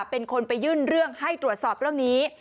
เป็นคนไปยื่นเรื่องให้ตรวจสอบเรื่องนี้